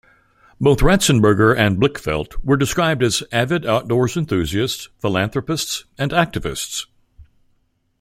Both Ratzenberger and Blichfeldt were described as "avid outdoors enthusiasts, philanthropists, and activists".